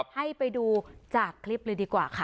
ให้ไปดูจากคลิปเลยดีกว่าค่ะ